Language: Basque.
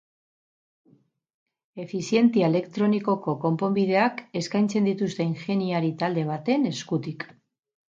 Efizientia elektrikoko konponbideak eskaintzen dituzte ingeniari talde baten eskutik.